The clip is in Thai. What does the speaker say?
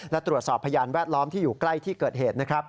และตรวจสอบพยานแวดล้อมที่อยู่ใกล้ที่เกิดเหตุนะครับ